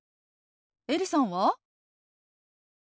エリさんは？